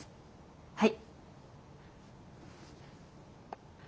はい。